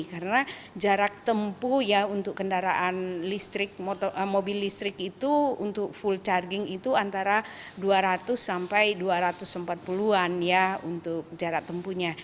karena jarak tempuh ya untuk kendaraan listrik mobil listrik itu untuk full charging itu antara dua ratus sampai dua ratus empat puluh an ya untuk jarak tempuhnya